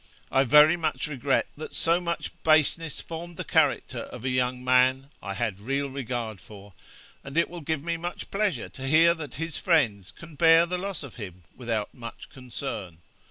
I very much regret that so much baseness formed the character of a young man I had a real regard for, and it will give me much pleasure to hear that his friends can bear the loss of him without much concern.